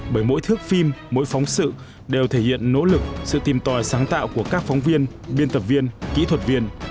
bởi mỗi thước phim mỗi phóng sự đều thể hiện nỗ lực sự tìm tòi sáng tạo của các phóng viên biên tập viên kỹ thuật viên